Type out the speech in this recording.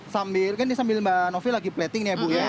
sambil mbak novi lagi plating ya bu ya